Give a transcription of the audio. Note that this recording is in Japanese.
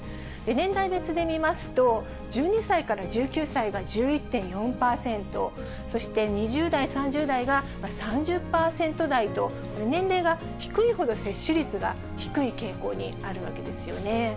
年代別で見ますと、１２歳から１９歳が１１．４％、そして、２０代、３０代が３０％台と、年齢が低いほど接種率が低い傾向にあるわけですよね。